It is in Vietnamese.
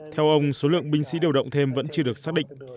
theo ông số lượng binh sĩ điều động thêm vẫn chưa được xác định